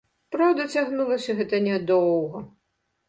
Праўда, цягнулася гэта нядоўга.